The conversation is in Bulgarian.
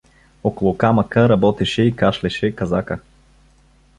Около камъка работеше и кашлеше Казака.